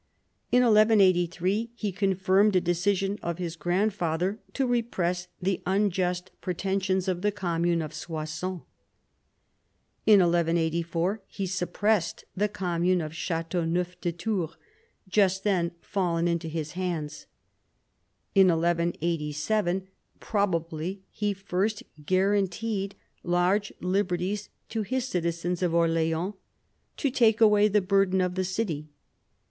In 1183 he confirmed a decision of his grand father to repress the unjust pretentions of the commune of Soissons. In 1184 he suppressed the commune of Chateauneuf de Tours, just then fallen into his hands. In 1187, probably, he first guaranteed large liberties to his citizens of Orleans " to take away the burden of the city."